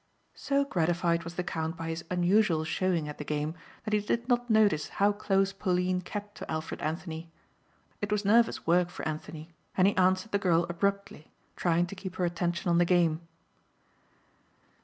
So gratified was the count by his unusual showing at the game that he did not notice how close Pauline kept to Alfred Anthony. It was nervous work for Anthony and he answered the girl abruptly trying to keep her attention on the game.